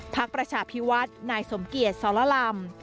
พักประชาภิวัฒน์นายสมเกียจซอลละลำ